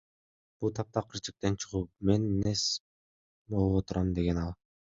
Бул таптакыр чектен чыгуу, мен нес болуп турам, — деген ал.